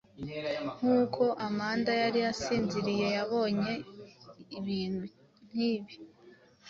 Nkuko amanda yari asinziriye, yabonye ibintu nk'ibi!